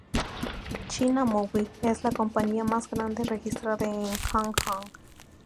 China Mobile es la compañía más grande registrada en Hong Kong.